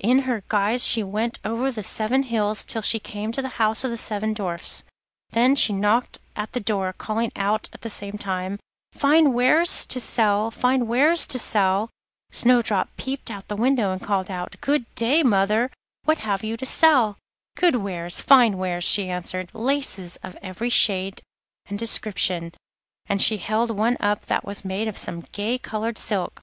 In this guise she went over the seven hills till she came to the house of the seven Dwarfs. There she knocked at the door, calling out at the same time: 'Fine wares to sell, fine wares to sell!' Snowdrop peeped out of the window, and called out: 'Good day, mother, what have you to sell?' 'Good wares, fine wares,' she answered; 'laces of every shade and description,' and she held one up that was made of some gay coloured silk.